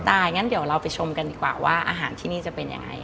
อย่างนั้นเดี๋ยวเราไปชมกันดีกว่าว่าอาหารที่นี่จะเป็นยังไง